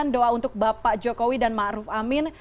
doa untuk bapak jokowi dan ma'ruf amin